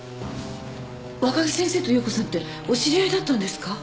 若木先生と夕子さんてお知り合いだったんですか？